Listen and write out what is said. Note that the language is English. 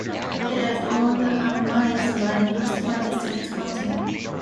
It is owned and managed by Chichester District Council.